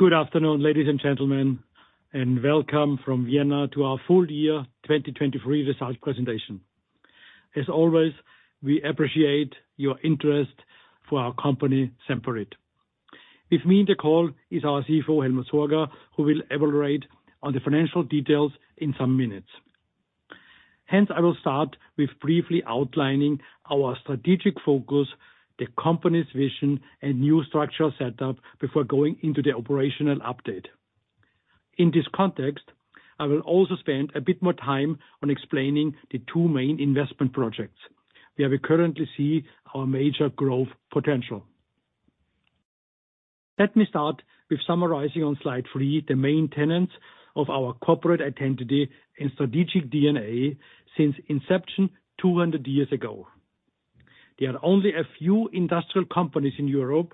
Good afternoon, ladies and gentlemen, and welcome from Vienna to our full-year 2023 result presentation. As always, we appreciate your interest for our company Semperit. With me on the call is our CFO, Helmut Sorger, who will elaborate on the financial details in some minutes. Hence, I will start with briefly outlining our strategic focus, the company's vision, and new structure setup before going into the operational update. In this context, I will also spend a bit more time on explaining the two main investment projects where we currently see our major growth potential. Let me start with summarizing on slide three the main tenets of our corporate identity and strategic DNA since inception 200 years ago. There are only a few industrial companies in Europe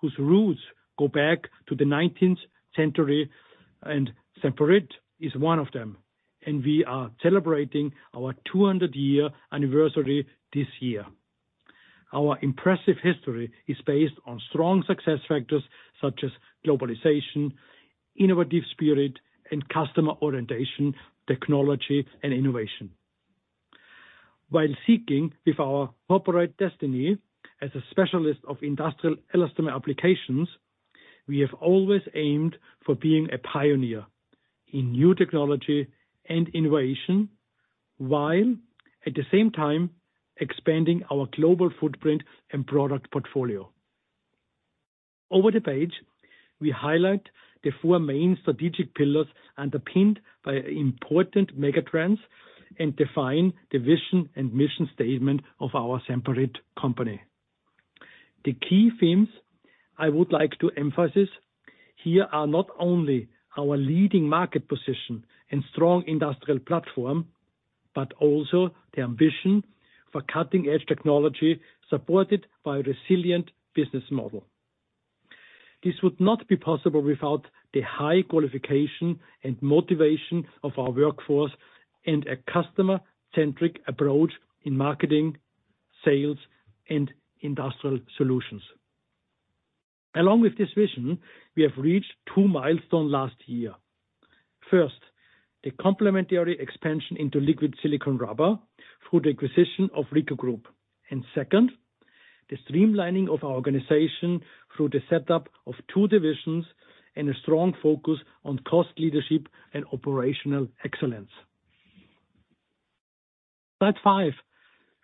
whose roots go back to the 19th century, and Semperit is one of them, and we are celebrating our 200-year anniversary this year. Our impressive history is based on strong success factors such as globalization, innovative spirit, and customer orientation, technology, and innovation. While seeking with our corporate destiny as a specialist of industrial elastomer applications, we have always aimed for being a pioneer in new technology and innovation while, at the same time, expanding our global footprint and product portfolio. Over the page, we highlight the four main strategic pillars underpinned by important megatrends and define the vision and mission statement of our Semperit company. The key themes I would like to emphasize here are not only our leading market position and strong industrial platform, but also the ambition for cutting-edge technology supported by a resilient business model. This would not be possible without the high qualification and motivation of our workforce and a customer-centric approach in marketing, sales, and industrial solutions. Along with this vision, we have reached two milestones last year: first, the complementary expansion into liquid silicone rubber through the acquisition of RICO Group; and second, the streamlining of our organization through the setup of two divisions and a strong focus on cost leadership and operational excellence. Slide five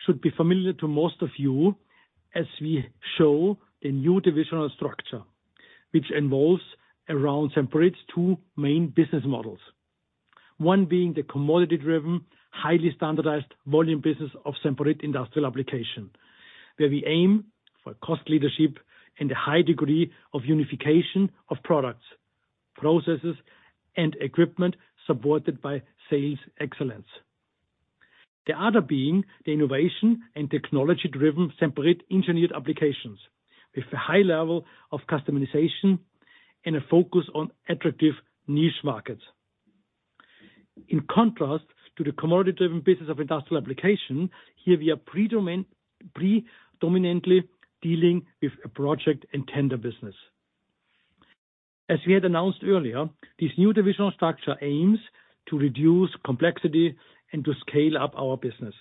should be familiar to most of you as we show the new divisional structure, which involves around Semperit's two main business models, one being the commodity-driven, highly standardized volume business of Semperit Industrial Applications, where we aim for cost leadership and a high degree of unification of products, processes, and equipment supported by sales excellence. The other being the innovation and technology-driven Semperit Engineered Applications, with a high level of customization and a focus on attractive niche markets. In contrast to the commodity-driven business of Industrial Applications, here we are predominantly dealing with a project and tender business. As we had announced earlier, this new divisional structure aims to reduce complexity and to scale up our business,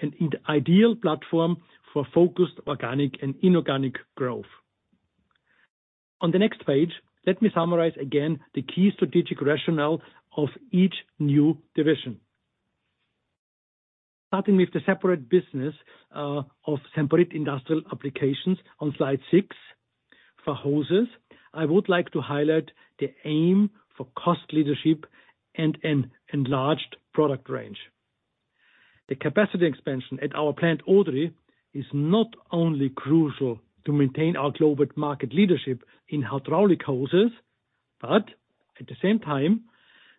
an ideal platform for focused organic and inorganic growth. On the next page, let me summarize again the key strategic rationale of each new division. Starting with the separate business of Semperit Industrial Applications on slide six for hoses, I would like to highlight the aim for cost leadership and an enlarged product range. The capacity expansion at our plant Odry is not only crucial to maintain our global market leadership in hydraulic hoses, but at the same time,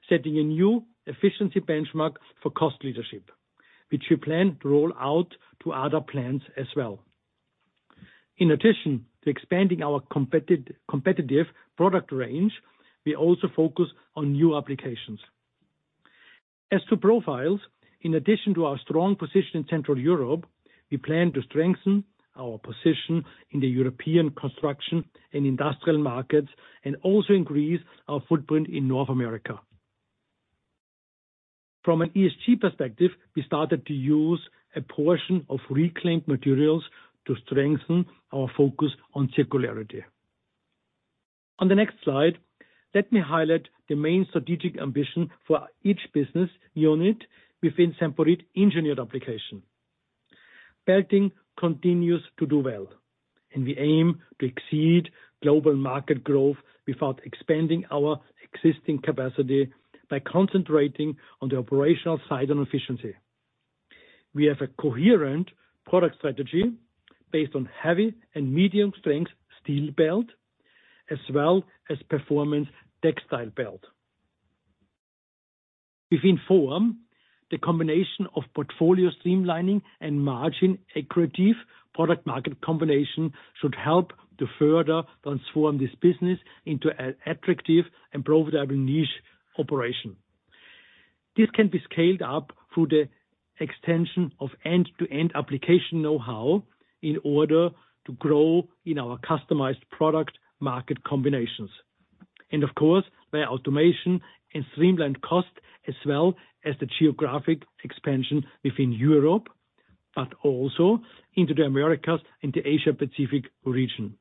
setting a new efficiency benchmark for cost leadership, which we plan to roll out to other plants as well. In addition to expanding our competitive product range, we also focus on new applications. As to profiles, in addition to our strong position in Central Europe, we plan to strengthen our position in the European construction and industrial markets and also increase our footprint in North America. From an ESG perspective, we started to use a portion of reclaimed materials to strengthen our focus on circularity. On the next slide, let me highlight the main strategic ambition for each business unit within Semperit Engineered Applications. Belting continues to do well, and we aim to exceed global market growth without expanding our existing capacity by concentrating on the operational side on efficiency. We have a coherent product strategy based on heavy and medium strength steel belt as well as performance textile belt. Within Form, the combination of portfolio streamlining and margin-accretiveproduct-market combination should help to further transform this business into an attractive and profitable niche operation. This can be scaled up through the extension of end-to-end application know-how in order to grow in our customized product-market combinations, and of course via automation and streamlined cost as well as the geographic expansion within Europe, but also into the Americas and the Asia-Pacific region.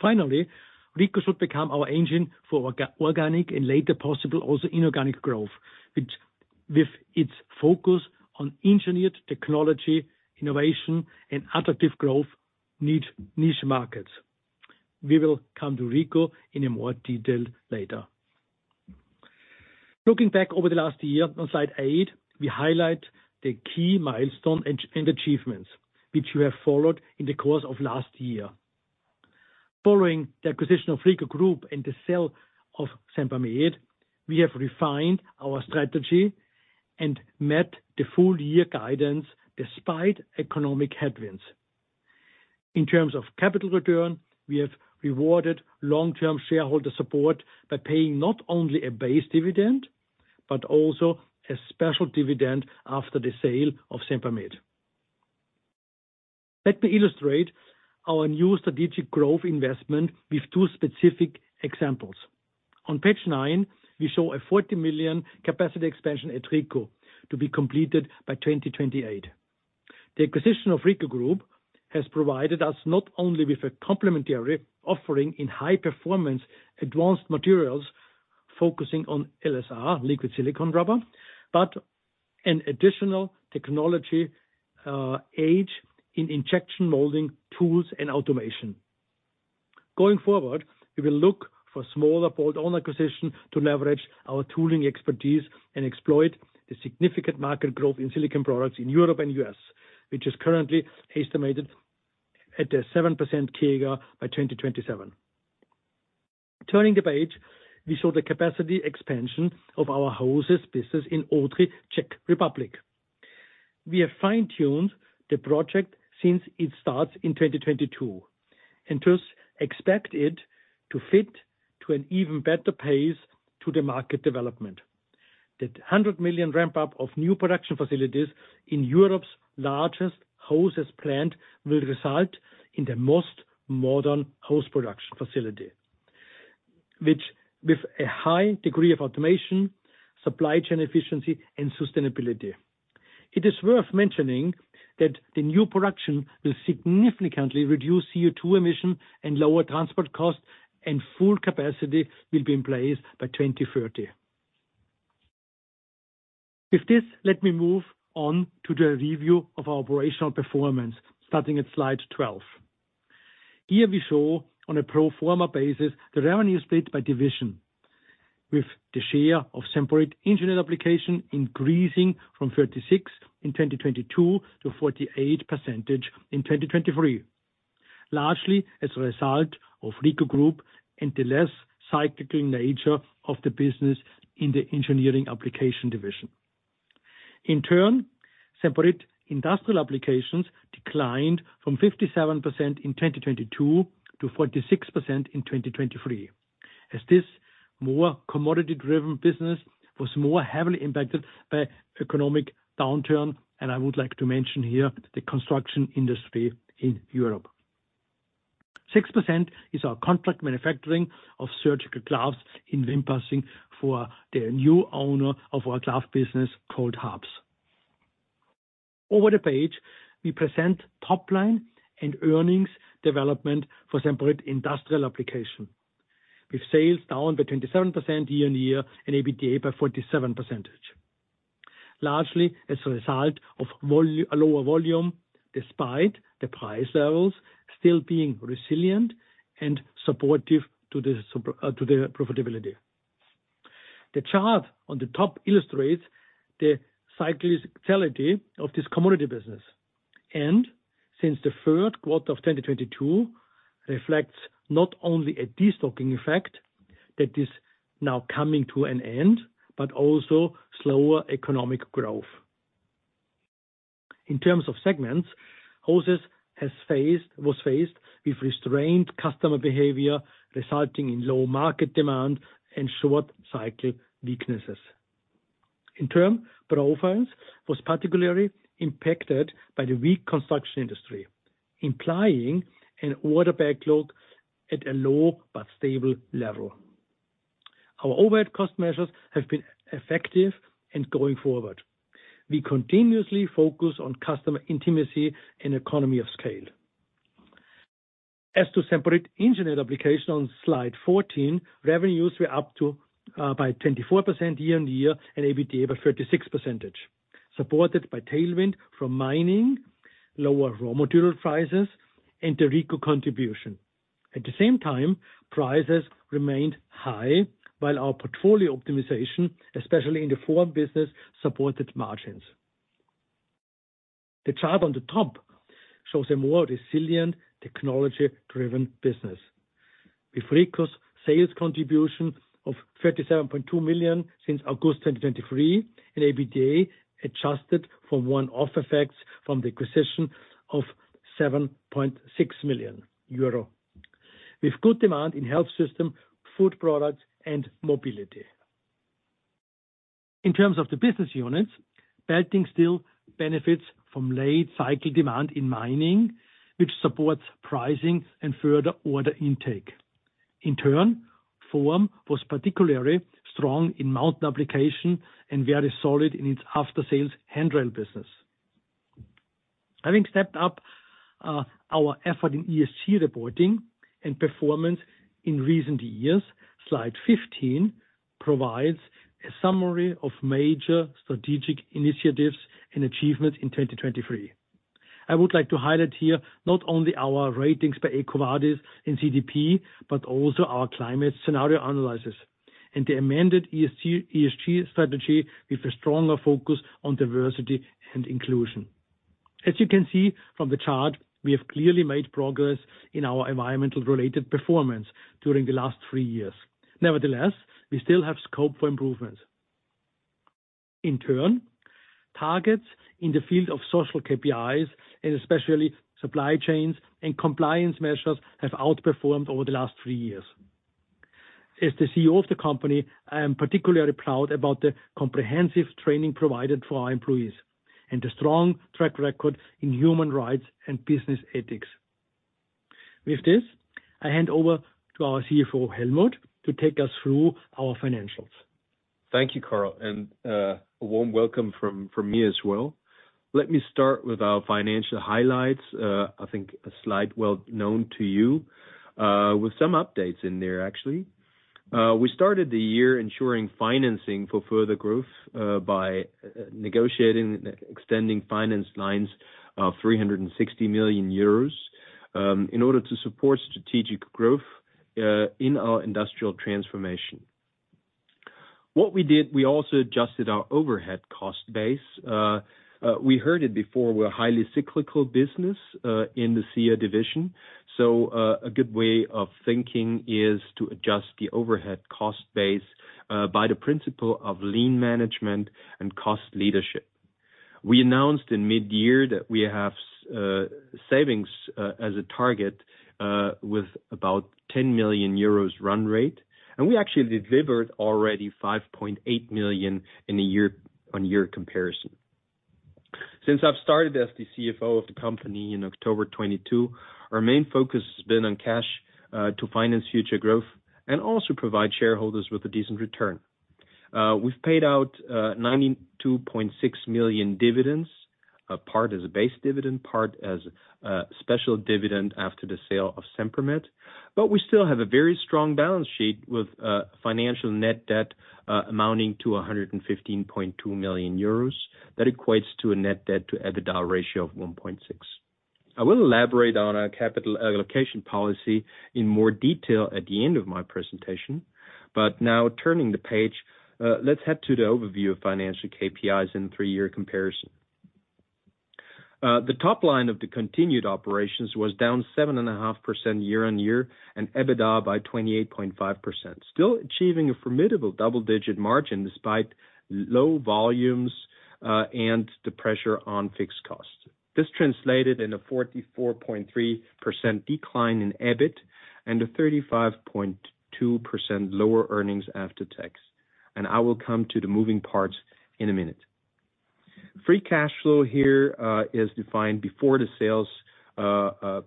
Finally, RICO should become our engine for organic and later possible also inorganic growth, with its focus on engineered technology, innovation, and attractive growth niche markets. We will come to RICO in more detail later. Looking back over the last year on Slide eight, we highlight the key milestones and achievements which you have followed in the course of last year. Following the acquisition of RICO Group and the sale of Semperit, we have refined our strategy and met the full-year guidance despite economic headwinds. In terms of capital return, we have rewarded long-term shareholder support by paying not only a base dividend but also a special dividend after the sale of Semperit. Let me illustrate our new strategic growth investment with two specific examples. On page nine, we show a 40 million capacity expansion at RICO to be completed by 2028. The acquisition of RICO Group has provided us not only with a complementary offering in high-performance advanced materials focusing on LSR, liquid silicone rubber, but an additional technology edge in injection molding tools and automation. Going forward, we will look for smaller bolt-on acquisitions to leverage our tooling expertise and exploit the significant market growth in silicone products in Europe and the U.S., which is currently estimated at a 7% CAGR by 2027. Turning the page, we show the capacity expansion of our hoses business in Odry, Czech Republic. We have fine-tuned the project since it starts in 2022 and expect it to fit to an even better pace to the market development. The 100 million ramp-up of new production facilities in Europe's largest hose plant will result in the most modern hose production facility, with a high degree of automation, supply chain efficiency, and sustainability. It is worth mentioning that the new production will significantly reduce CO2 emission and lower transport costs, and full capacity will be in place by 2030. With this, let me move on to the review of our operational performance, starting at slide 12. Here we show, on a pro forma basis, the revenue split by division, with the share of Semperit Engineered Applications increasing from 36% in 2022 to 48% in 2023, largely as a result of RICO Group and the less cyclical nature of the business in the Engineered Applications division. In turn, Semperit Industrial Applications declined from 57% in 2022 to 46% in 2023, as this more commodity-driven business was more heavily impacted by economic downturn, and I would like to mention here the construction industry in Europe. 6% is our contract manufacturing of surgical gloves in Wimpassing for the new owner of our glove business called HARPS. Over the page, we present topline and earnings development for Semperit Industrial Applications, with sales down by 27% year-on-year and EBITDA by 47%, largely as a result of lower volume despite the price levels still being resilient and supportive to the profitability. The chart on the top illustrates the cyclicality of this commodity business and, since the third quarter of 2022, reflects not only a destocking effect that is now coming to an end but also slower economic growth. In terms of segments, hoses were faced with restrained customer behavior, resulting in low market demand and short-cycle weaknesses. In turn, profiles were particularly impacted by the weak construction industry, implying an order backlog at a low but stable level. Our overhead cost measures have been effective and going forward. We continuously focus on customer intimacy and economy of scale. As to Semperit Engineered Applications on slide 14, revenues were up by 24% year-on-year and EBITDA by 36%, supported by tailwind from mining, lower raw material prices, and the RICO contribution. At the same time, prices remained high while our portfolio optimization, especially in the Form business, supported margins. The chart on the top shows a more resilient, technology-driven business, with RICO's sales contribution of 37.2 million since August 2023 and EBITDA adjusted for one-off effects from the acquisition of 7.6 million euro, with good demand in health system food products and mobility. In terms of the business units, Belting still benefits from late-cycle demand in mining, which supports pricing and further order intake. In turn, Form was particularly strong in mountain application and very solid in its after-sales handrail business. Having stepped up our effort in ESG reporting and performance in recent years, Slide 15 provides a summary of major strategic initiatives and achievements in 2023. I would like to highlight here not only our ratings by EcoVadis and CDP but also our climate scenario analysis and the amended ESG strategy with a stronger focus on diversity and inclusion. As you can see from the chart, we have clearly made progress in our environmental-related performance during the last three years. Nevertheless, we still have scope for improvements. In turn, targets in the field of social KPIs and especially supply chains and compliance measures have outperformed over the last three years. As the CEO of the company, I am particularly proud about the comprehensive training provided for our employees and the strong track record in human rights and business ethics. With this, I hand over to our CFO, Helmut, to take us through our financials. Thank you, Karl, and a warm welcome from me as well. Let me start with our financial highlights, I think a slide well known to you, with some updates in there actually. We started the year ensuring financing for further growth by negotiating and extending finance lines of 360 million euros in order to support strategic growth in our industrial transformation. What we did, we also adjusted our overhead cost base. We heard it before, we're a highly cyclical business in the SEA division, so a good way of thinking is to adjust the overhead cost base by the principle of lean management and cost leadership. We announced in mid-year that we have savings as a target with about 10 million euros run rate, and we actually delivered already 5.8 million in a year-on-year comparison. Since I've started as the CFO of the company in October 2022, our main focus has been on cash to finance future growth and also provide shareholders with a decent return. We've paid out 92.6 million dividends, part as a base dividend, part as a special dividend after the sale of Semperit, but we still have a very strong balance sheet with financial net debt amounting to 115.2 million euros that equates to a net debt-to-EBITDA ratio of 1.6. I will elaborate on our capital allocation policy in more detail at the end of my presentation, but now turning the page, let's head to the overview of financial KPIs in three-year comparison. The topline of the continued operations was down 7.5% year-on-year and EBITDA by 28.5%, still achieving a formidable double-digit margin despite low volumes and the pressure on fixed costs. This translated in a 44.3% decline in EBIT and a 35.2% lower earnings after tax, and I will come to the moving parts in a minute. Free cash flow here is defined before the sales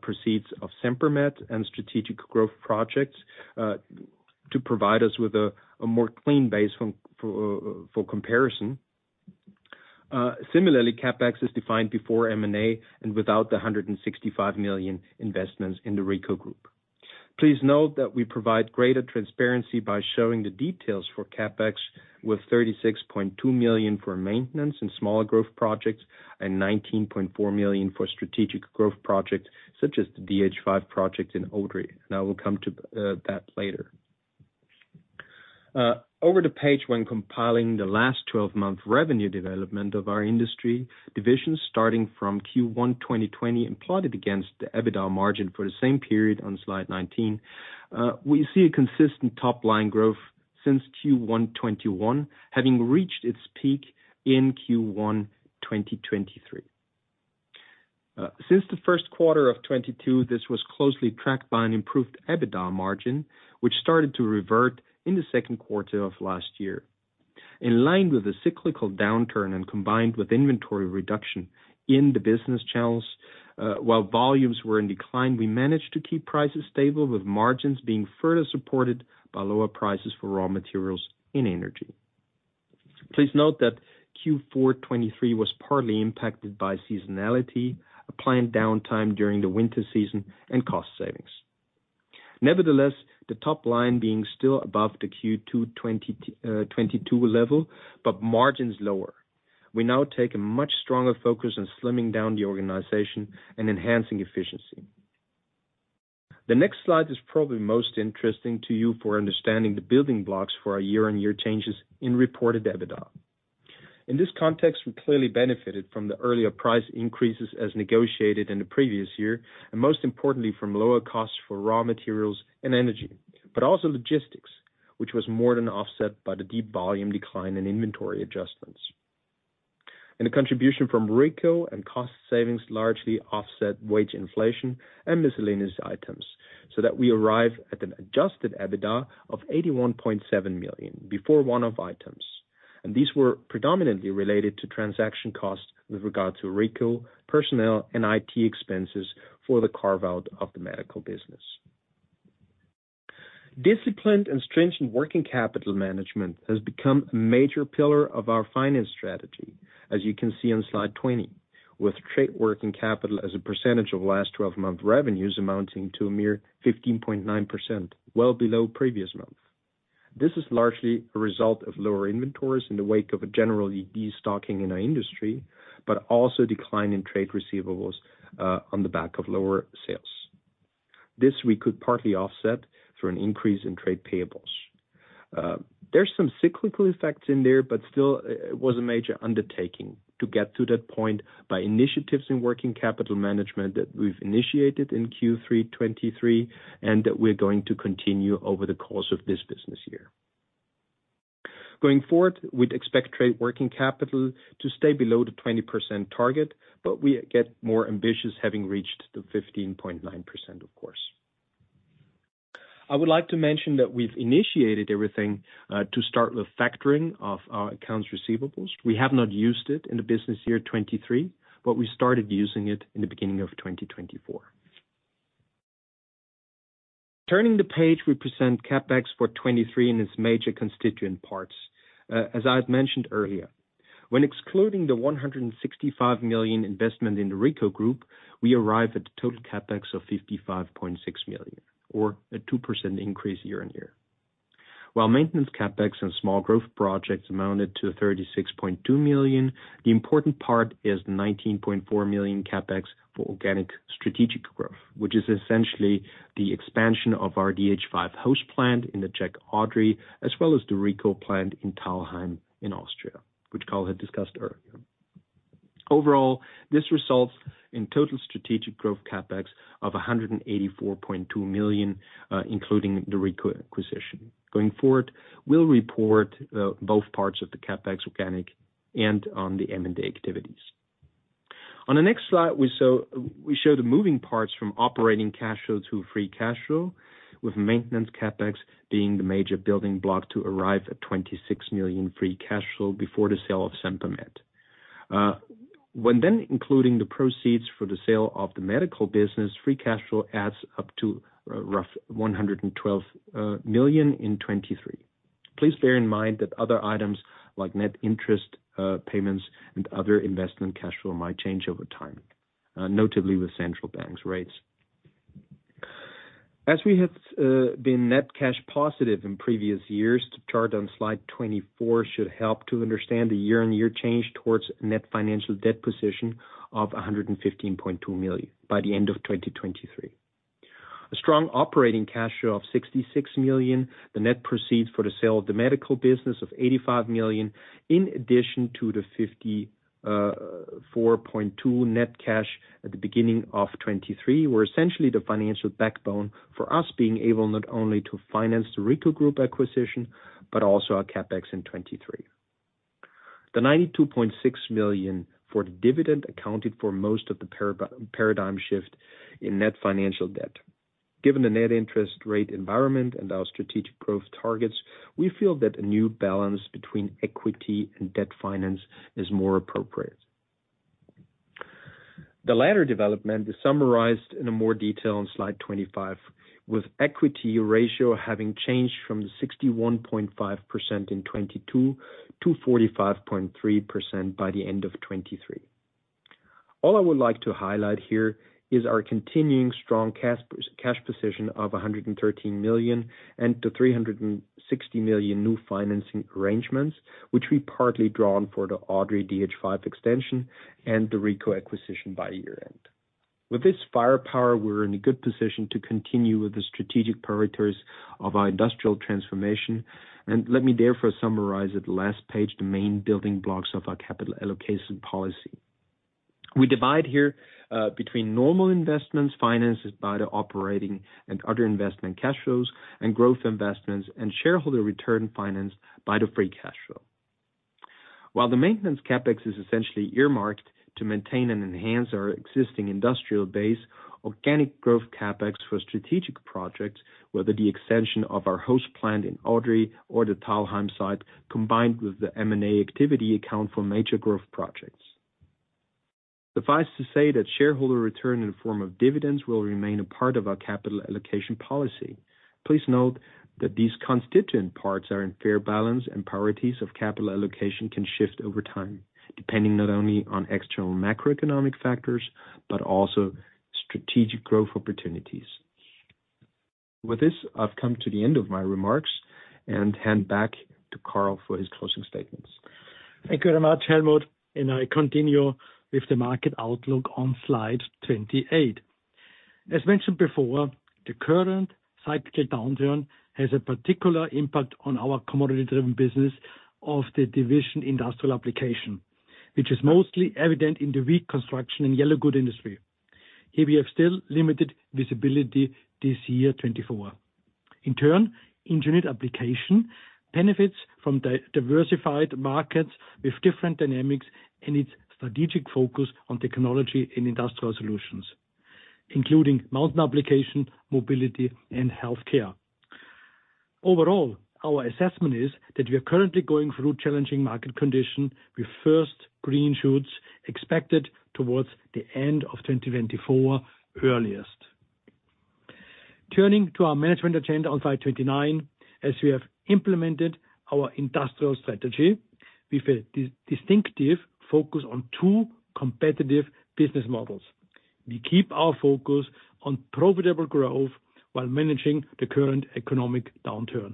proceeds of Semperit and strategic growth projects to provide us with a more clean base for comparison. Similarly, CapEx is defined before M&A and without the 165 million investments in the RICO Group. Please note that we provide greater transparency by showing the details for CapEx with 36.2 million for maintenance and smaller growth projects and 19.4 million for strategic growth projects such as the DH5 project in Odry, and I will come to that later. Over the page, when compiling the last 12-month revenue development of our industry division starting from Q1 2020, plotted against the EBITDA margin for the same period on slide 19, we see a consistent topline growth since Q1 2021 having reached its peak in Q1 2023. Since the first quarter of 2022, this was closely tracked by an improved EBITDA margin, which started to revert in the second quarter of last year. In line with the cyclical downturn and combined with inventory reduction in the business channels, while volumes were in decline, we managed to keep prices stable with margins being further supported by lower prices for raw materials and energy. Please note that Q4 2023 was partly impacted by seasonality, applying downtime during the winter season, and cost savings. Nevertheless, the topline being still above the Q2 2022 level but margins lower, we now take a much stronger focus on slimming down the organization and enhancing efficiency. The next slide is probably most interesting to you for understanding the building blocks for our year-over-year changes in reported EBITDA. In this context, we clearly benefited from the earlier price increases as negotiated in the previous year and, most importantly, from lower costs for raw materials and energy, but also logistics, which was more than offset by the deep volume decline and inventory adjustments. The contribution from RICO and cost savings largely offset wage inflation and miscellaneous items so that we arrive at an adjusted EBITDA of 81.7 million before one-off items, and these were predominantly related to transaction costs with regard to RICO, personnel, and IT expenses for the carve-out of the medical business. Disciplined and stringent working capital management has become a major pillar of our finance strategy, as you can see on slide 20, with trade working capital as a percentage of last 12-month revenues amounting to a mere 15.9%, well below previous months. This is largely a result of lower inventories in the wake of a general destocking in our industry but also decline in trade receivables on the back of lower sales. This we could partly offset through an increase in trade payables. There are some cyclical effects in there, but still, it was a major undertaking to get to that point by initiatives in working capital management that we've initiated in Q3 2023 and that we're going to continue over the course of this business year. Going forward, we'd expect trade working capital to stay below the 20% target, but we get more ambitious having reached the 15.9%, of course. I would like to mention that we've initiated everything to start with factoring of our accounts receivables. We have not used it in the business year 2023, but we started using it in the beginning of 2024. Turning the page, we present CapEx for 2023 in its major constituent parts. As I had mentioned earlier, when excluding the 165 million investment in the RICO Group, we arrive at a total CapEx of 55.6 million or a 2% increase year-on-year. While maintenance Capex and small growth projects amounted to 36.2 million, the important part is the 19.4 million Capex for organic strategic growth, which is essentially the expansion of our DH5 hose plant in the Czech Odry as well as the RICO plant in Thalheim in Austria, which Karl had discussed earlier. Overall, this results in total strategic growth CapEx of 184.2 million, including the RICO acquisition. Going forward, we'll report both parts of the Capex, organic, and on the M&A activities. On the next slide, we show the moving parts from operating cash flow to free cash flow, with maintenance CapEx being the major building block to arrive at 26 million free cash flow before the sale of Semperit. When then including the proceeds for the sale of the medical business, free cash flow adds up to roughly 112 million in 2023. Please bear in mind that other items like net interest payments and other investment cash flow might change over time, notably with central banks' rates. As we have been net cash positive in previous years, the chart on slide 24 should help to understand the year-on-year change towards net financial debt position of 115.2 million by the end of 2023. A strong operating cash flow of 66 million, the net proceeds for the sale of the medical business of 85 million, in addition to the 54.2 million net cash at the beginning of 2023, were essentially the financial backbone for us being able not only to finance the RICO Group acquisition but also our CapEx in 2023. The 92.6 million for the dividend accounted for most of the paradigm shift in net financial debt. Given the net interest rate environment and our strategic growth targets, we feel that a new balance between equity and debt finance is more appropriate. The latter development is summarized in more detail on slide 25, with equity ratio having changed from the 61.5% in 2022 to 45.3% by the end of 2023. All I would like to highlight here is our continuing strong cash position of 113 million and the 360 million new financing arrangements, which we partly draw on for the Odry DH5 extension and the RICO acquisition by year-end. With this firepower, we're in a good position to continue with the strategic priorities of our industrial transformation, and let me therefore summarize at the last page the main building blocks of our capital allocation policy. We divide here between normal investments financed by the operating and other investment cash flows and growth investments and shareholder return financed by the free cash flow. While the maintenance CapEx is essentially earmarked to maintain and enhance our existing industrial base, organic growth CapEx for strategic projects, whether the extension of our hose plant in Odry or the Thalheim site, combined with the M&A activity, account for major growth projects. Suffice to say that shareholder return in the form of dividends will remain a part of our capital allocation policy. Please note that these constituent parts are in fair balance and priorities of capital allocation can shift over time, depending not only on external macroeconomic factors but also strategic growth opportunities. With this, I've come to the end of my remarks and hand back to Karl for his closing statements. Thank you very much, Helmut, and I continue with the market outlook on slide 28. As mentioned before, the current cyclical downturn has a particular impact on our commodity-driven business of the division Industrial Applications, which is mostly evident in the weak construction and yellow goods industry. Here, we have still limited visibility this year 2024. In turn, Engineered Applications benefits from diversified markets with different dynamics and its strategic focus on technology and industrial solutions, including molded application, mobility, and healthcare. Overall, our assessment is that we are currently going through challenging market conditions with first green shoots expected towards the end of 2024 earliest. Turning to our management agenda on slide 29, as we have implemented our industrial strategy, we feel distinctive focus on two competitive business models. We keep our focus on profitable growth while managing the current economic downturn.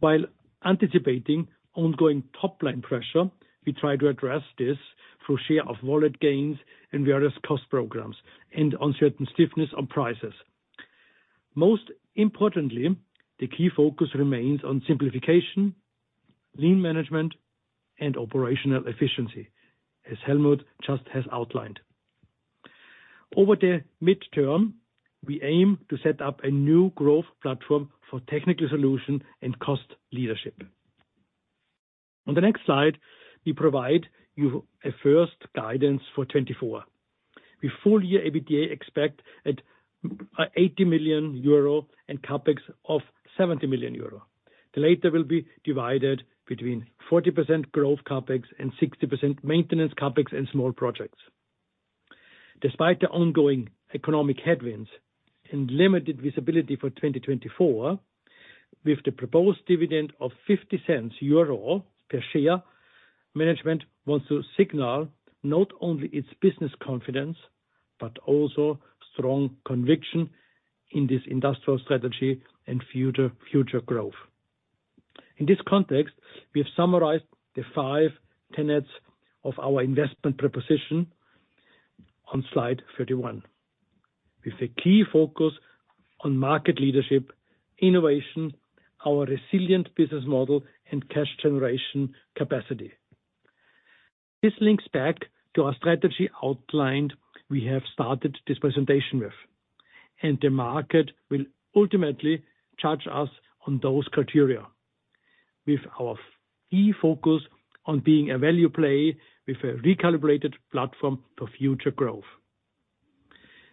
While anticipating ongoing top-line pressure, we try to address this through share of wallet gains and various cost programs and on certain stiffness on prices. Most importantly, the key focus remains on simplification, lean management, and operational efficiency, as Helmut just has outlined. Over the mid-term, we aim to set up a new growth platform for technical solution and cost leadership. On the next slide, we provide you a first guidance for 2024. We expect full-year EBITDA at 80 million euro and CapEx of 70 million euro. The latter will be divided between 40% growth CapEx and 60% maintenance CapEx and small projects. Despite the ongoing economic headwinds and limited visibility for 2024, with the proposed dividend of 0.50 per share, management wants to signal not only its business confidence but also strong conviction in this industrial strategy and future growth. In this context, we have summarized the five tenets of our investment proposition on slide 31, with a key focus on market leadership, innovation, our resilient business model, and cash generation capacity. This links back to our strategy outlined we have started this presentation with, and the market will ultimately judge us on those criteria, with our key focus on being a value play with a recalibrated platform for future growth.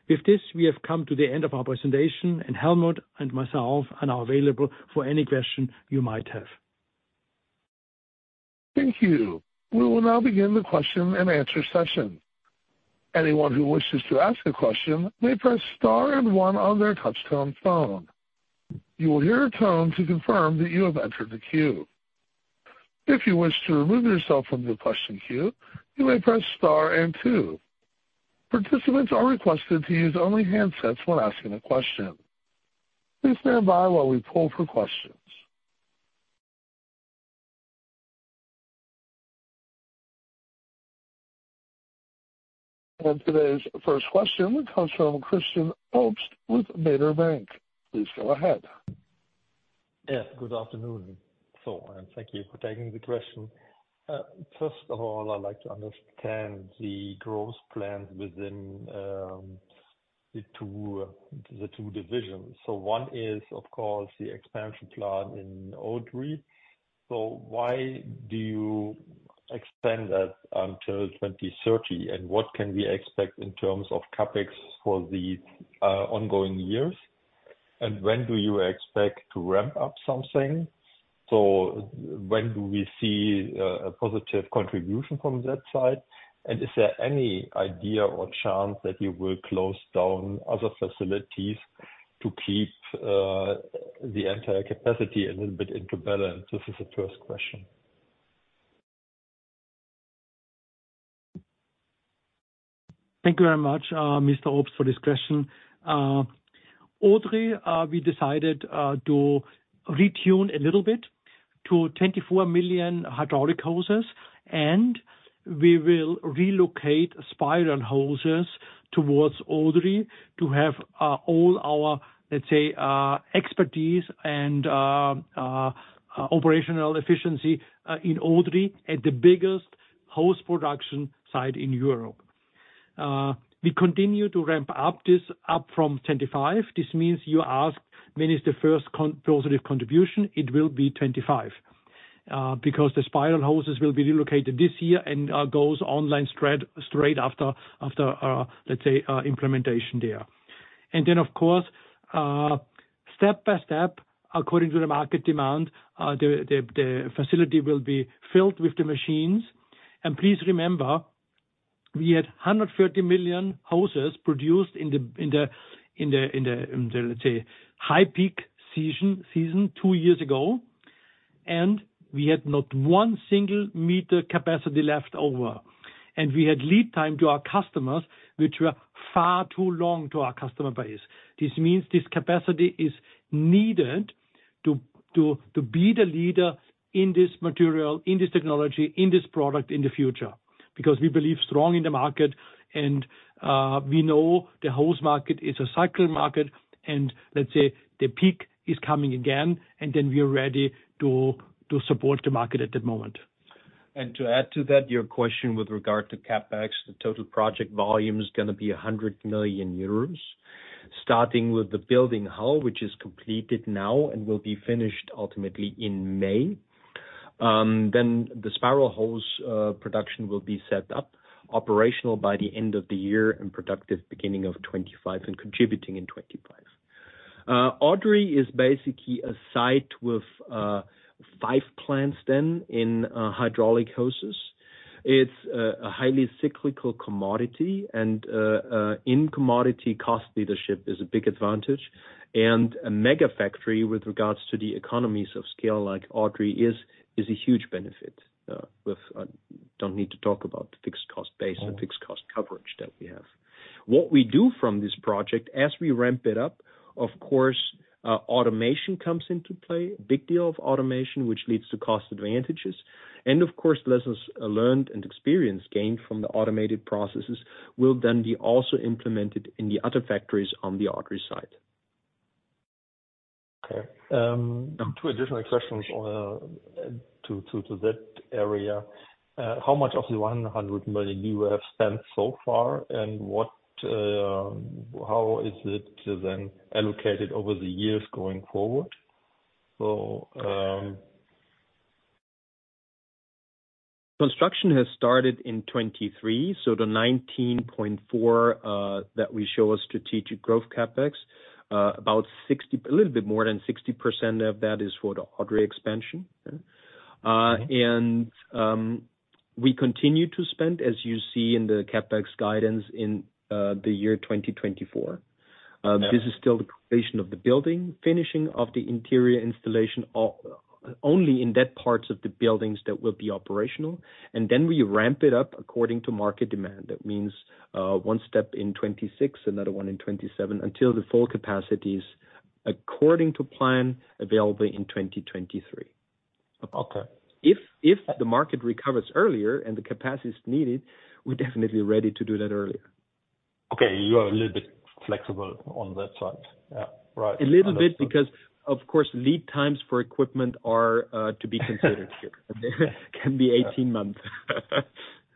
With this, we have come to the end of our presentation, and Helmut and myself are now available for any question you might have. Thank you. We will now begin the question and answer session. Anyone who wishes to ask a question may press star and one on their touchscreen phone. You will hear a tone to confirm that you have entered the queue. If you wish to remove yourself from the question queue, you may press star and two. Participants are requested to use only handsets when asking a question. Please stand by while we pull for questions. Today's first question comes from Christian Obst with Baader Bank. Please go ahead. Yes, good afternoon and thank you for taking the question. First of all, I'd like to understand the growth plans within the two divisions. So one is, of course, the expansion plan in Odry. So why do you expand that until 2030, and what can we expect in terms of CapEx for the ongoing years? And when do you expect to ramp up something? So when do we see a positive contribution from that side? And is there any idea or chance that you will close down other facilities to keep the entire capacity a little bit into balance? This is the first question. Thank you very much, Mr. Obst, for this question. Odry, we decided to retune a little bit to 24 million hydraulic hoses, and we will relocate spiral hoses towards Odry to have all our, let's say, expertise and operational efficiency in Odry at the biggest hose production site in Europe. We continue to ramp up this up from 2025. This means you asked, "When is the first positive contribution?" It will be 2025 because the spiral hoses will be relocated this year and go online straight after, let's say, implementation there. And then, of course, step by step, according to the market demand, the facility will be filled with the machines. And please remember, we had 130 million hoses produced in the, let's say, high-peak season two years ago, and we had not one single meter capacity left over. And we had lead time to our customers, which were far too long to our customer base. This means this capacity is needed to be the leader in this material, in this technology, in this product in the future because we believe strongly in the market, and we know the hose market is a cyclical market, and let's say the peak is coming again, and then we are ready to support the market at that moment. And to add to that, your question with regard to CapEx, the total project volume is going to be 100 million euros, starting with the building hall, which is completed now and will be finished ultimately in May. Then the spiral hose production will be set up, operational by the end of the year, and productive beginning of 2025 and contributing in 2025. Odry is basically a site with five plants then in hydraulic hoses. It's a highly cyclical commodity, and in-commodity cost leadership is a big advantage. A megafactory with regards to the economies of scale like Odry is a huge benefit. We don't need to talk about fixed cost base and fixed cost coverage that we have. What we do from this project, as we ramp it up, of course, automation comes into play, a big deal of automation, which leads to cost advantages. And of course, lessons learned and experience gained from the automated processes will then be also implemented in the other factories on the Odry side. Okay. Two additional questions to that area. How much of the 100 million you have spent so far, and how is it then allocated over the years going forward? So. Construction has started in 2023, so the 19.4 million that we show as strategic growth CapEx, a little bit more than 60% of that is for the Odry expansion. And we continue to spend, as you see in the CapEx guidance in the year 2024. This is still the completion of the building, finishing of the interior installation, only in that parts of the buildings that will be operational. And then we ramp it up according to market demand. That means one step in 2026, another one in 2027, until the full capacity is according to plan available in 2023. If the market recovers earlier and the capacity is needed, we're definitely ready to do that earlier. Okay. You are a little bit flexible on that side. Yeah. Right. A little bit because, of course, lead times for equipment are to be considered here. It can be 18 months.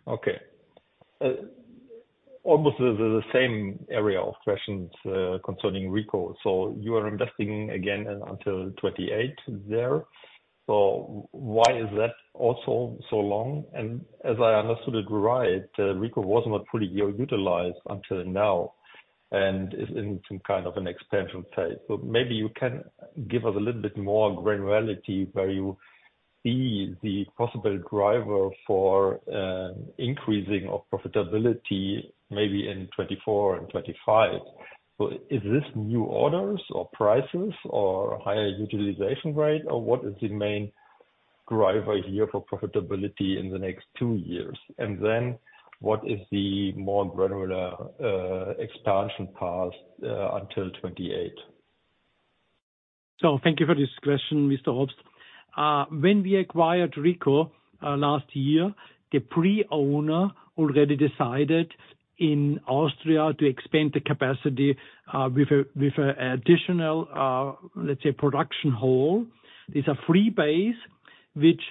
Okay. Almost the same area of questions concerning RICO. So you are investing again until 2028 there. So why is that also so long? As I understood it right, RICO was not fully utilized until now and is in some kind of an expansion phase. So maybe you can give us a little bit more granularity where you see the possible driver for increasing of profitability maybe in 2024 and 2025. So is this new orders or prices or higher utilization rate, or what is the main driver here for profitability in the next two years? And then what is the more granular expansion path until 2028? So thank you for this question, Mr. Obst. When we acquired RICO last year, the previous owner already decided in Austria to expand the capacity with an additional, let's say, production hall. This is a free base, which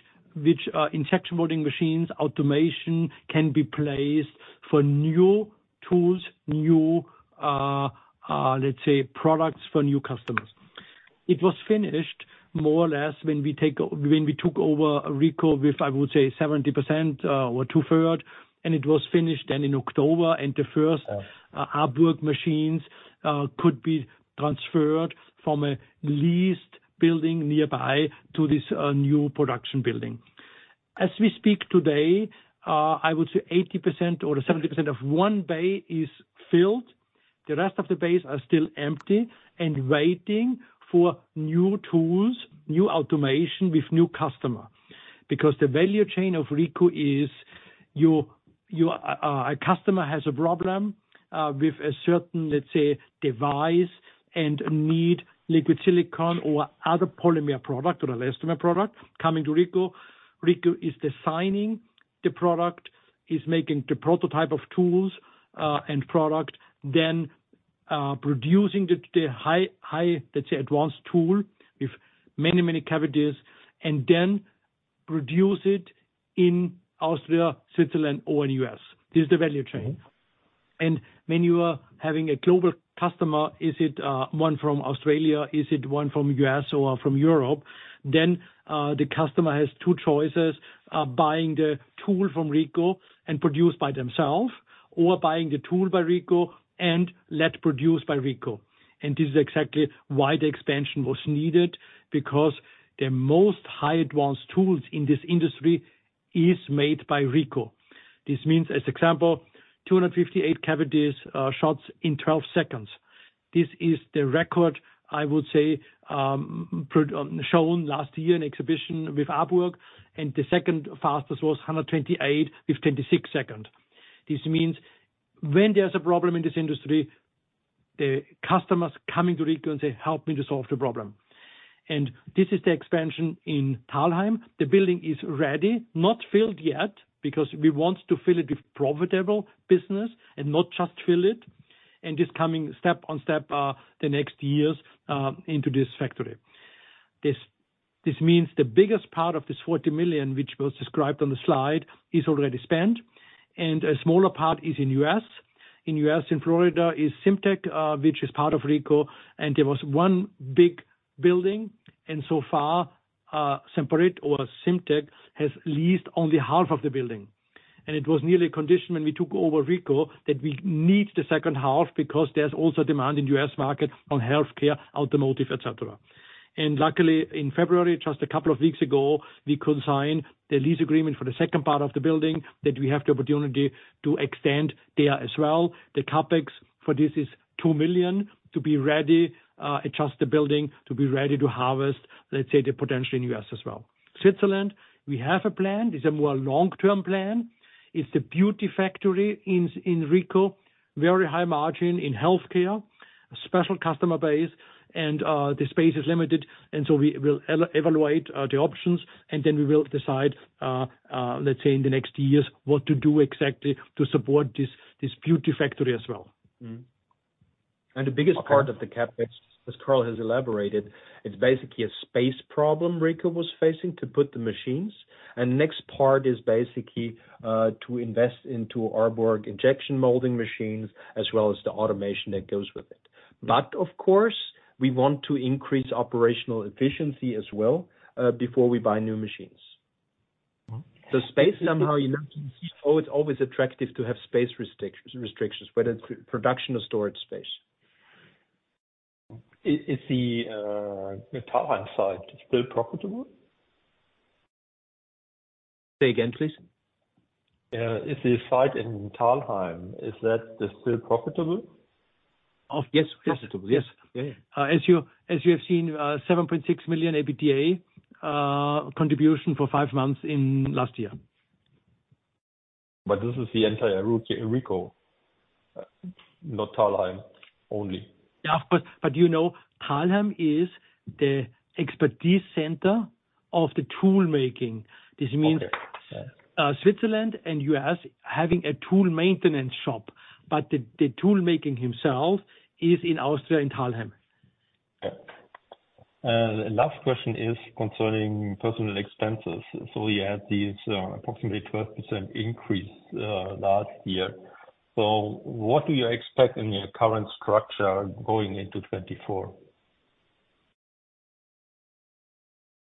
injection molding machines, automation can be placed for new tools, new, let's say, products for new customers. It was finished more or less when we took over RICO with, I would say, 70% or 2/3, and it was finished then in October. The first Arburg machines could be transferred from a leased building nearby to this new production building. As we speak today, I would say 80% or 70% of one bay is filled. The rest of the bays are still empty and waiting for new tools, new automation with new customer because the value chain of RICO is a customer has a problem with a certain, let's say, device and need liquid silicone or other polymer product or elastomer product coming to RICO. RICO is designing the product, is making the prototype of tools and product, then producing the high, let's say, advanced tool with many, many cavities, and then produce it in Austria, Switzerland, or in the U.S. This is the value chain. When you are having a global customer, is it one from Australia? Is it one from the U.S. or from Europe? Then the customer has two choices: buying the tool from RICO and produced by themself, or buying the tool by RICO and let produce by RICO. And this is exactly why the expansion was needed because the most high-advanced tools in this industry are made by RICO. This means, as an example, 258 cavities shots in 12 seconds. This is the record, I would say, shown last year in exhibition with Arburg. And the second fastest was 128 with 26 seconds. This means when there's a problem in this industry, the customers come to RICO and say, "Help me to solve the problem." And this is the expansion in Thalheim. The building is ready, not filled yet because we want to fill it with profitable business and not just fill it. This coming step on step are the next years into this factory. This means the biggest part of this 40 million, which was described on the slide, is already spent, and a smaller part is in the U.S. In the U.S., in Florida, is SIMTEC, which is part of RICO. There was one big building, and so far, Semperit or SIMTEC has leased only half of the building. It was nearly a condition when we took over RICO that we need the second half because there's also demand in the U.S. market. On healthcare, automotive, etc. Luckily, in February, just a couple of weeks ago, we could sign the lease agreement for the second part of the building that we have the opportunity to extend there as well. The Capex for this is 2 million to be ready, adjust the building to be ready to harvest, let's say, the potential in the U.S. as well. Switzerland, we have a plan. It's a more long-term plan. It's the beauty factory in RICO, very high margin in healthcare, special customer base, and the space is limited. So we will evaluate the options, and then we will decide, let's say, in the next years what to do exactly to support this beauty factory as well. The biggest part of the CapEx, as Karl has elaborated, it's basically a space problem RICO was facing to put the machines. The next part is basically to invest into ARBURG injection molding machines as well as the automation that goes with it. But of course, we want to increase operational efficiency as well before we buy new machines. The space somehow you know from the CFO, it's always attractive to have space restrictions, whether it's production or storage space. Is the Thalheim site still profitable? Say again, please. Is the site in Thalheim, is that still profitable? Yes, profitable. Yes. As you have seen, 7.6 million EBITDA contribution for five months in last year. But this is the entire RICO, not Thalheim only. Yeah, of course. But Thalheim is the expertise center of the tool making. This means Switzerland and the U.S. having a tool maintenance shop, but the tool making itself is in Austria, in Thalheim. Okay. Last question is concerning personnel expenses. So you had this approximately 12% increase last year. So what do you expect in your current structure going into 2024?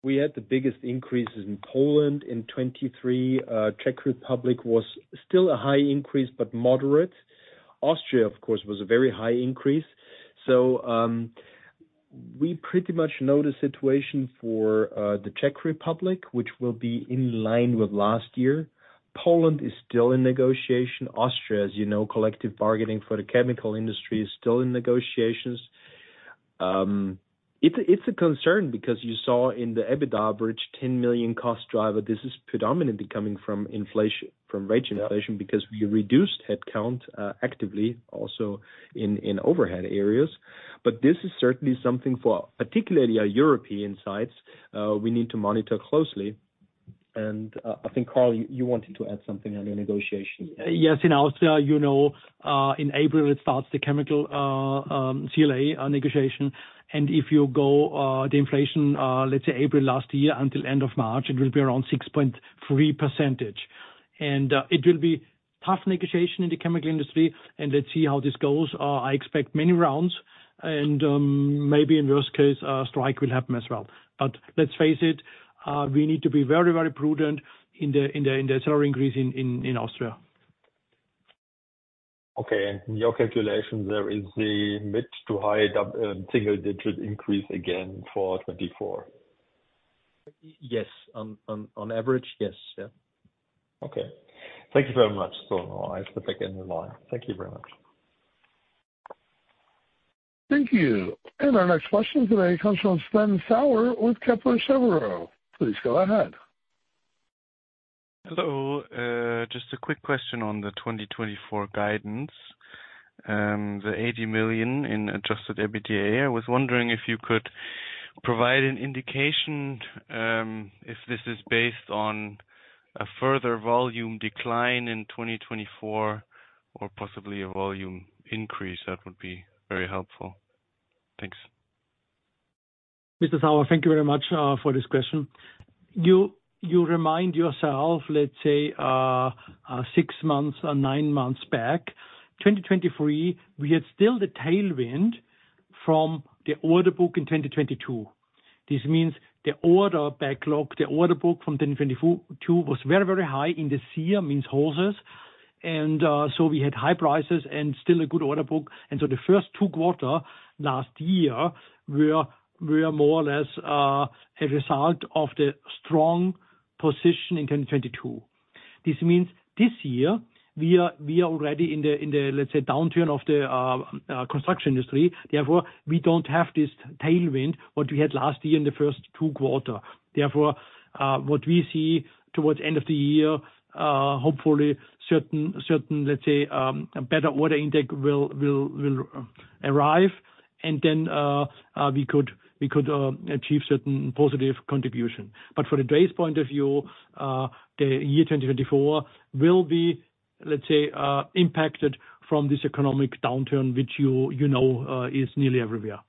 We had the biggest increases in Poland in 2023. Czech Republic was still a high increase but moderate. Austria, of course, was a very high increase. So we pretty much know the situation for the Czech Republic, which will be in line with last year. Poland is still in negotiation. Austria, as you know, collective bargaining for the chemical industry is still in negotiations. It's a concern because you saw in the EBITDA average, 10 million cost driver. This is predominantly coming from rate inflation because we reduced headcount actively also in overhead areas. But this is certainly something for particularly our European sites. We need to monitor closely. And I think, Karl, you wanted to add something on the negotiations. Yes. In Austria, in April, it starts the chemical CLA negotiation. If you go by the inflation, let's say, April last year until end of March, it will be around 6.3%. It will be tough negotiation in the chemical industry. Let's see how this goes. I expect many rounds, and maybe in worst case, a strike will happen as well. But let's face it, we need to be very, very prudent in the salary increase in Austria. Okay. In your calculations, there is a mid to high single-digit increase again for 2024? Yes. On average, yes. Yeah. Okay. Thank you very much. So I'll step back in the line. Thank you very much. Thank you. Our next question today comes from Sven Sauer with Kepler Cheuvreux. Please go ahead. Hello. Just a quick question on the 2024 guidance, the 80 million in adjusted EBITDA. I was wondering if you could provide an indication if this is based on a further volume decline in 2024 or possibly a volume increase. That would be very helpful. Thanks. Mr. Sauer, thank you very much for this question. You remind yourself, let's say, six months or nine months back, 2023, we had still the tailwind from the order book in 2022. This means the order backlog, the order book from 2022 was very, very high in this year, means hoses. And so we had high prices and still a good order book. And so the first two quarters last year were more or less a result of the strong position in 2022. This means this year, we are already in the, let's say, downturn of the construction industry. Therefore, we don't have this tailwind, what we had last year in the first two quarters. Therefore, what we see towards the end of the year, hopefully, certain, let's say, better order intake will arrive, and then we could achieve certain positive contribution. But from today's point of view, the year 2024 will be, let's say, impacted from this economic downturn, which you know is nearly everywhere.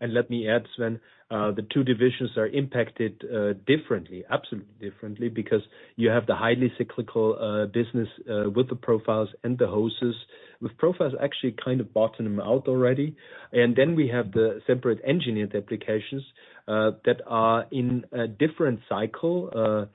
And let me add, Sven, the two divisions are impacted differently, absolutely differently, because you have the highly cyclical business with the Profiles and the Hoses. With Profiles, actually, kind of bought them out already. And then we have the Semperit Engineered Applications that are in a different cycle.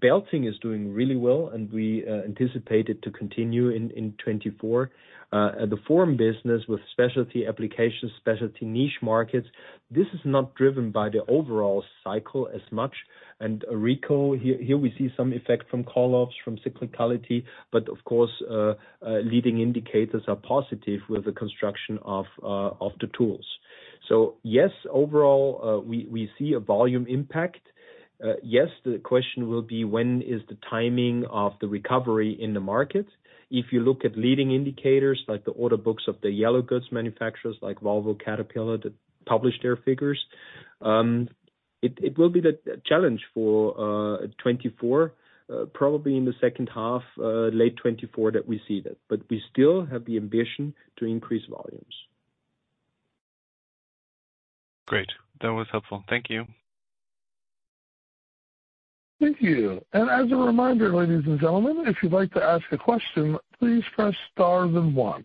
Belting is doing really well, and we anticipate it to continue in 2024. The Form business with specialty applications, specialty niche markets, this is not driven by the overall cycle as much. RICO, here we see some effect from call-offs, from cyclicality, but of course, leading indicators are positive with the construction of the tools. So yes, overall, we see a volume impact. Yes, the question will be, when is the timing of the recovery in the market? If you look at leading indicators like the order books of the yellow goods manufacturers like Volvo, Caterpillar, that published their figures, it will be the challenge for 2024, probably in the second half, late 2024 that we see that. But we still have the ambition to increase volumes. Great. That was helpful. Thank you. Thank you. And as a reminder, ladies and gentlemen, if you'd like to ask a question, please press star then one.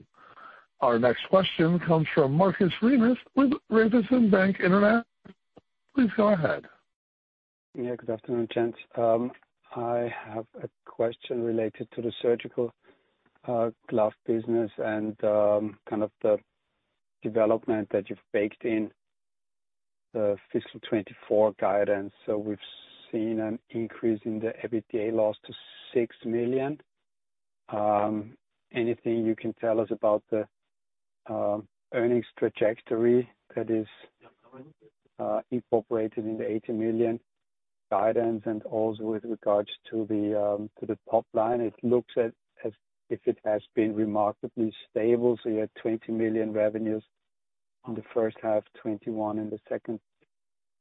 Our next question comes from Markus Remis with Raiffeisen Bank International. Please go ahead. Yeah. Good afternoon, Chance. I have a question related to the surgical glove business and kind of the development that you've baked in the fiscal 2024 guidance. So we've seen an increase in the EBITDA loss to 6 million. Anything you can tell us about the earnings trajectory that is incorporated in the 80 million guidance and also with regards to the top line? It looks as if it has been remarkably stable. So you had 20 million revenues in the first half, 2021, in the second.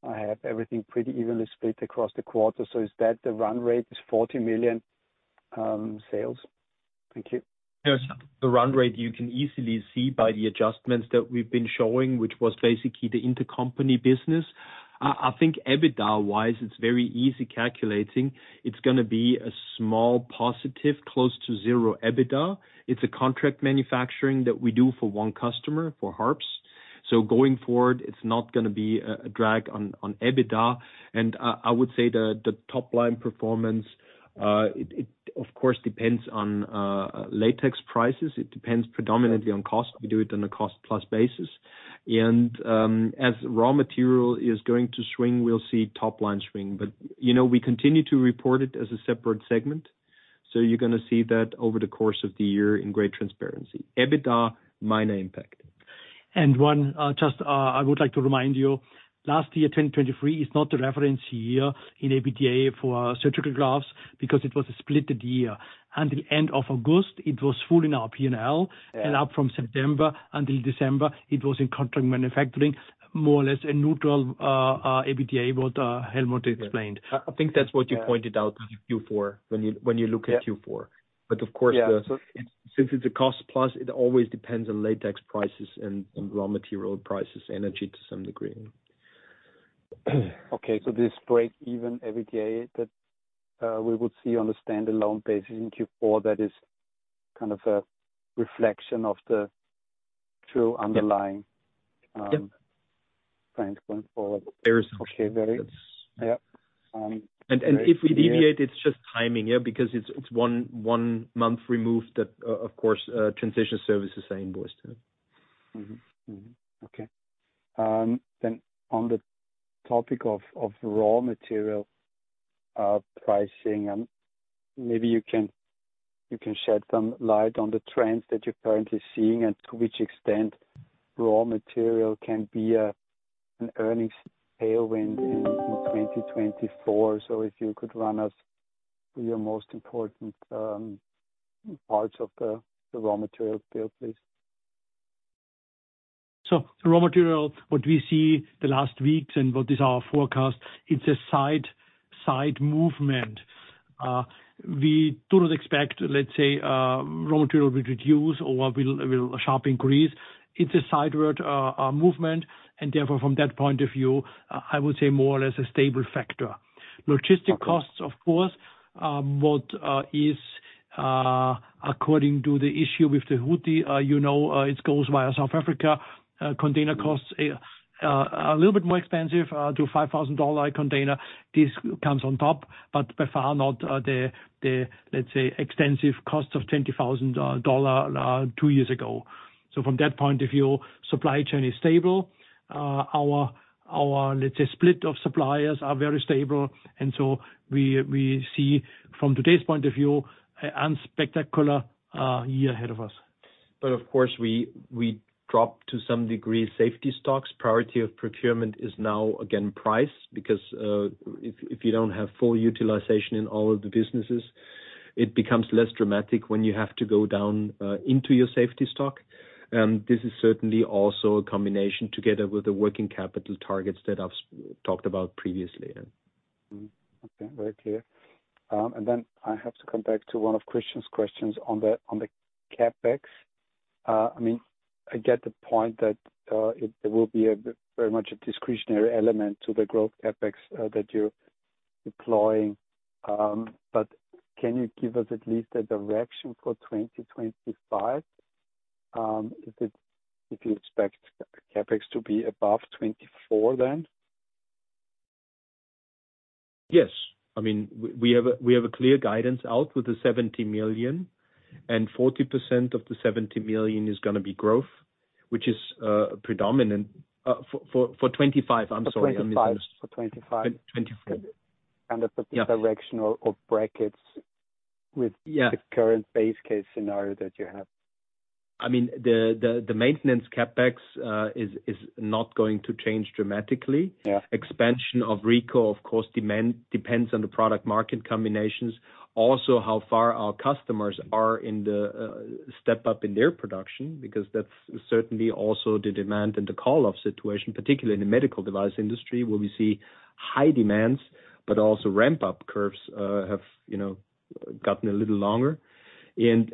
I have everything pretty evenly split across the quarters. So is that the run rate is 40 million sales? Thank you. Yes. The run rate you can easily see by the adjustments that we've been showing, which was basically the intercompany business. I think EBITDA-wise, it's very easy calculating. It's going to be a small positive, close to zero EBITDA. It's a contract manufacturing that we do for one customer, for HARPS. So going forward, it's not going to be a drag on EBITDA. And I would say the top line performance, of course, depends on latex prices. It depends predominantly on cost. We do it on a cost-plus basis. And as raw material is going to swing, we'll see top line swing. But we continue to report it as a separate segment. So you're going to see that over the course of the year in great transparency. EBITDA, minor impact. And just I would like to remind you, last year, 2023, is not the reference year in EBITDA for surgical gloves because it was a split year. Until the end of August, it was full in our P&L. And up from September until December, it was in contract manufacturing, more or less a neutral EBITDA, what Helmut explained. I think that's what you pointed out with Q4 when you look at Q4. But of course, since it's a cost-plus, it always depends on latex prices and raw material prices, energy to some degree. Okay. So this break-even EBITDA that we would see on a standalone basis in Q4, that is kind of a reflection of the true underlying trends going forward. Very simple. Yeah. And if we deviate, it's just timing, yeah, because it's one month removed that, of course, transition services are invoiced. Okay. Then on the topic of raw material pricing, maybe you can shed some light on the trends that you're currently seeing and to which extent raw material can be an earnings tailwind in 2024. So if you could run us through your most important parts of the raw material field, please. So the raw material, what we see the last weeks and what is our forecast, it's a side movement. We do not expect, let's say, raw material will reduce or will sharp increase. It's a sidewards movement. And therefore, from that point of view, I would say more or less a stable factor. Logistics costs, of course, what is according to the issue with the Houthi, it goes via South Africa. Container costs are a little bit more expensive to a $5,000 container. This comes on top, but by far not the, let's say, extensive costs of $20,000 two years ago. So from that point of view, supply chain is stable. Our, let's say, split of suppliers are very stable. And so we see from today's point of view, an unspectacular year ahead of us. But of course, we drop to some degree safety stocks. Priority of procurement is now, again, price because if you don't have full utilization in all of the businesses, it becomes less dramatic when you have to go down into your safety stock. And this is certainly also a combination together with the working capital targets that I've talked about previously. Okay. Very clear. And then I have to come back to one of Christian's questions on the CapEx. I mean, I get the point that there will be very much a discretionary element to the growth CapEx that you're deploying. But can you give us at least a direction for 2025 if you expect CapEx to be above 2024 then? Yes. I mean, we have a clear guidance out with the 70 million, and 40% of the 70 million is going to be growth, which is predominant for 2025. I'm sorry. I'm missing this. For 2025. For 2025. Kind of a directional or brackets with the current base case scenario that you have. I mean, the maintenance CapEx is not going to change dramatically. Expansion of RICO, of course, depends on the product-market combinations. Also, how far our customers are in the step up in their production because that's certainly also the demand and the call-off situation, particularly in the medical device industry where we see high demands, but also ramp-up curves have gotten a little longer. And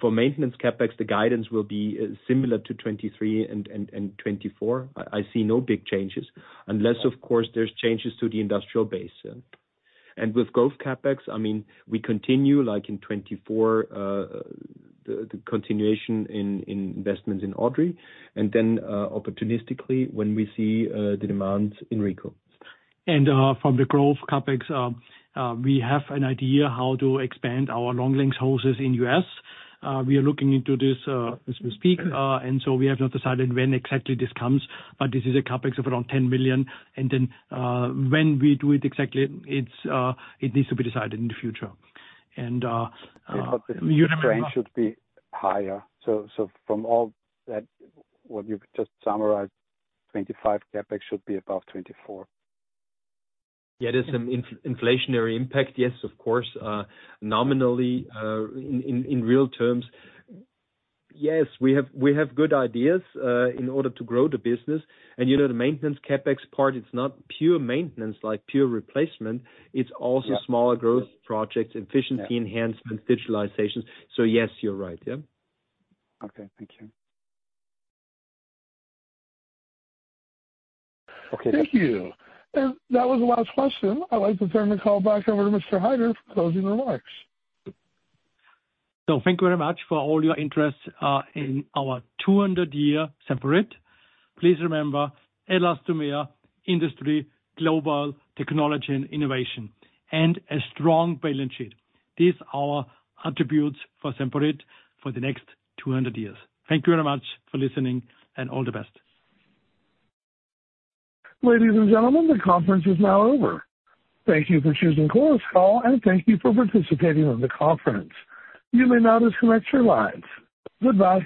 for maintenance CapEx, the guidance will be similar to 2023 and 2024. I see no big changes unless, of course, there's changes to the industrial base. And with growth CapEx, I mean, we continue like in 2024, the continuation in investments in Odry and then opportunistically when we see the demand in RICO. From the growth CapEx, we have an idea how to expand our long length hoses in the U.S. We are looking into this as we speak. So we have not decided when exactly this comes, but this is a CapEx of around 10 million. Then when we do it exactly, it needs to be decided in the future. And you remember. Strength should be higher. So from all that, what you've just summarized, 2025 CapEx should be above 2024. Yeah. There's some inflationary impact. Yes, of course, nominally, in real terms, yes, we have good ideas in order to grow the business. And the maintenance CapEx part, it's not pure maintenance like pure replacement. It's also smaller growth projects, efficiency enhancements, digitalizations. So yes, you're right. Yeah. Okay. Thank you. Okay. Thank you. And that was the last question. I'd like to turn the call back over to Mr. Haider for closing remarks. Thank you very much for all your interest in our 200-year Semperit. Please remember, Elastomer, industry, global technology and innovation, and a strong balance sheet. These are our attributes for Semperit for the next 200 years. Thank you very much for listening, and all the best. Ladies and gentlemen, the conference is now over. Thank you for choosing Chorus Call, and thank you for participating in the conference. You may not disconnect your lines. Goodbye.